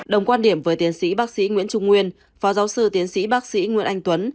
đồng quan điểm với tiến sĩ bác sĩ nguyễn trung nguyên phó giáo sư tiến sĩ bác sĩ nguyễn anh tuấn